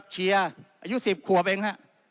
เชียร์อายุ๑๐ขวบเองฮะ